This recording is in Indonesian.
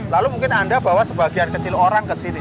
lalu mungkin anda bawa sebagian kecil orang ke sini